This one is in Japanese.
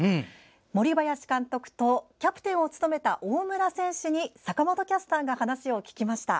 森林監督とキャプテンを務めた大村選手に坂本キャスターが話を聞きました。